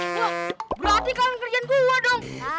berarti kalian kerjaan gua dong